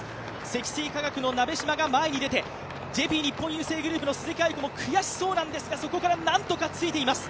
積水化学の鍋島が前に出て、ＪＰ日本郵政グループの鈴木亜由子も悔しそうなんですが、そこから何とかついています。